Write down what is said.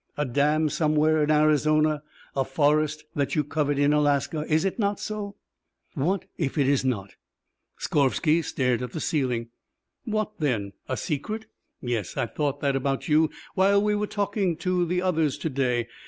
A dam somewhere in Arizona. A forest that you covet in Alaska. Is it not so?" "What if it is not?" Skorvsky stared at the ceiling. "What then? A secret? Yes, I thought that about you while we were talking to the others to day.